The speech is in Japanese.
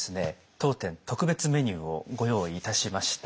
当店特別メニューをご用意いたしました。